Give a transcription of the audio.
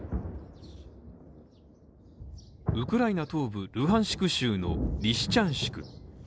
ウクライナ東部ルハンシク州のリシチャンシク。